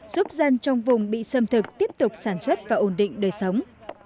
giúp dân trong vùng bị xâm thực tiếp tục sản xuất và ổn định đời sống